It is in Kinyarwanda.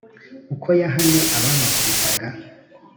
uko yahannye ababakubitaga ?